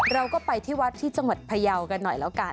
เราก็ไปที่วัดที่จังหวัดพยาวกันหน่อยแล้วกัน